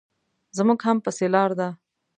زموږ هم پسې لار ده.